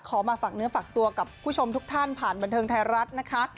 มาฝากเนื้อฝากตัวกับผู้ชมทุกท่านผ่านบันเทิงไทยรัฐนะคะ